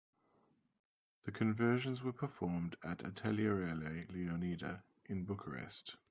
The conversions were performed at Atelierele Leonida in Bucharest.